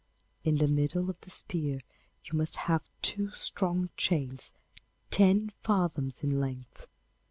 In the middle of the spear you must have two strong chains ten fathoms in length.